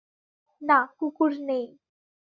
না, কুকুর নেই।